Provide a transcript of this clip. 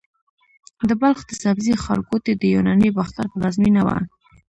د بلخ د سبزې ښارګوټي د یوناني باختر پلازمېنه وه